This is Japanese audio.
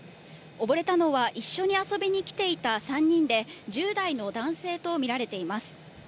溺れたのは、一緒に遊びに来ていた３人で、１０代の男性と見られています。